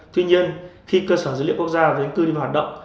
tuy nhiên khi cơ sở dữ liệu quốc gia về dân cư đi vào hoạt động